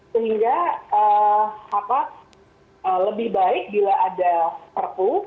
sehingga lebih baik bila ada perpu